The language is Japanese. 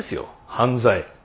犯罪。